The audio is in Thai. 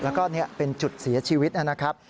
แล้วก็เป็นจุดเสียชีวิตนะครับ